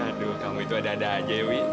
aduh kamu itu ada ada aja ya wi